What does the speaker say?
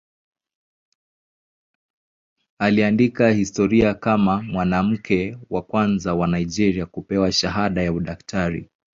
Aliandika historia kama mwanamke wa kwanza wa Nigeria kupewa shahada ya udaktari.